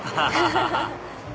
ハハハハ